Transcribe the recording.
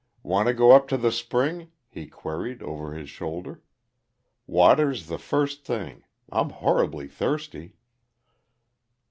"Want to go up to the spring?" he queried, over his shoulder, "Water's the first thing I'm horribly thirsty."